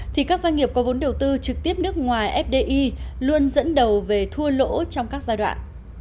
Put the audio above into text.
thì các doanh nghiệp có vốn đầu tư trực tiếp nước ngoài fdi luôn dẫn đầu về thua lỗ trong các giai đoạn